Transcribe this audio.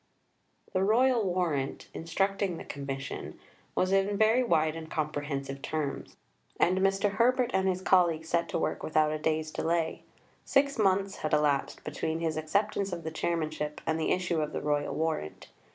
The Royal Warrant, instructing the Commission, was in very wide and comprehensive terms, and Mr. Herbert and his colleagues set to work without a day's delay. Six months had elapsed between his acceptance of the Chairmanship and the issue of the Royal Warrant.